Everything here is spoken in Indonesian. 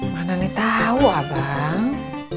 mana nih tau abang